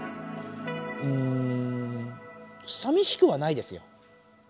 うんさみしくはないですよ。